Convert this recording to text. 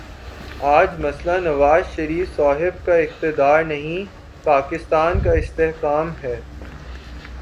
آج مسئلہ نواز شریف صاحب کا اقتدار نہیں، پاکستان کا استحکام ہے۔